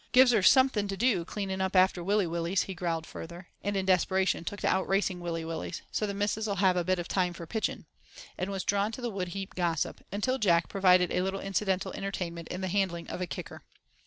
"Gives her something to do cleaning up after Willy Willys," he growled further, and in desperation took to outracing Willy Willys—"so the missus 'ull have a bit of time for pitching," and was drawn into the wood heap gossip, until Jack provided a little incidental entertainment in the handling of a "kicker."